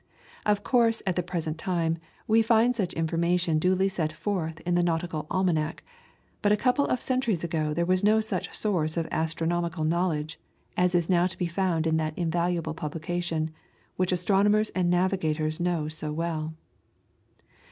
Of course at the present time, we find such information duly set forth in the NAUTICAL ALMANAC, but a couple of centuries ago there was no such source of astronomical knowledge as is now to be found in that invaluable publication, which astronomers and navigators know so well.